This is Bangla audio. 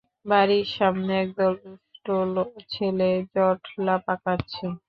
বাড়ির সামনে একদল দুষ্ট ছেলে জটলা পাকাচ্ছে।